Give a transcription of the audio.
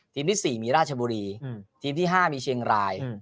ที่๔มีราชบุรีทีมที่๕มีเชียงราย